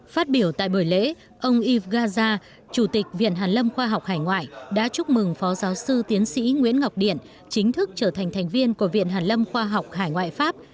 phát biểu tại buổi lễ ông igaza chủ tịch viện hàn lâm khoa học hải ngoại đã chúc mừng phó giáo sư tiến sĩ nguyễn ngọc điện chính thức trở thành thành viên của viện hàn lâm khoa học hải ngoại pháp